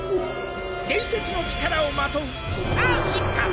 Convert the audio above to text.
伝説の力をまとうスター進化。